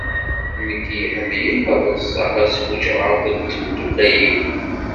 Nekk iḥemlen ad ḍṣeɣ ad sfuǧɣeɣ akk d temdukkal-iw.